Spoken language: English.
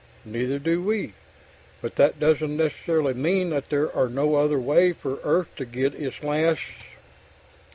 Neither do we, but that doesn't necessarily mean that there can be no other way for Earth to get its last....